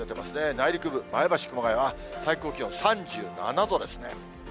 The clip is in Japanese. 内陸部、前橋、熊谷は最高気温３７度ですね。